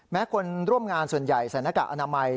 คนร่วมงานส่วนใหญ่ใส่หน้ากากอนามัย